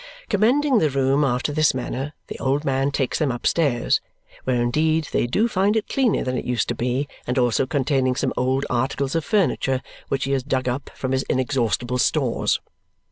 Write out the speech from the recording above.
Commending the room after this manner, the old man takes them upstairs, where indeed they do find it cleaner than it used to be and also containing some old articles of furniture which he has dug up from his inexhaustible stores.